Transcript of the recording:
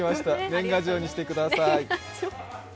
年賀状にしてください。